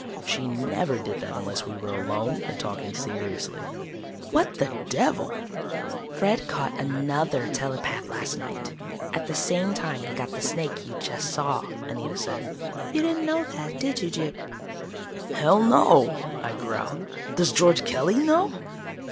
She never did that unless we were alone and talking seriously. "What the devil!" "Fred caught another telepath last night, at the same time he got the snake you just saw," Anita said. "You didn't know that, did you, Gyp?" "Hell, no," I growled. "Does George Kelly know?"